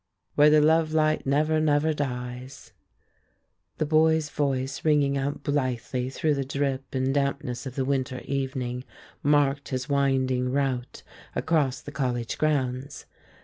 "'Where the love light never, never dies,'" The boy's voice ringing out blithely through the drip and dampness of the winter evening marked his winding route across the college grounds.